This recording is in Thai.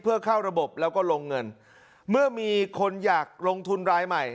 เพื่อเข้าระบบแล้วก็ลงเงินเมื่อมีคนอยากลงทุนรายใหม่